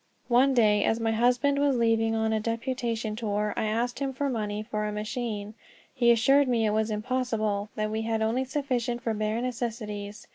One day, as my husband was leaving on a deputation tour, I asked him for money for a machine. He assured me it was impossible; that we had only sufficient for bare necessities.